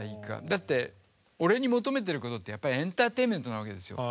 だって俺に求めてることってやっぱりエンターテインメントなわけですよ。